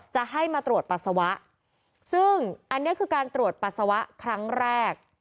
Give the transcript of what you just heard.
จะให้มาตรวจปัสสาวะซึ่งอันนี้คือการตรวจปัสสาวะครั้งแรก